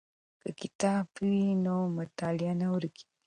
که کتاب وي نو معلومات نه ورک کیږي.